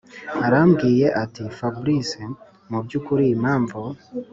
aramubwiye ati”fabric mubyukuri impamvu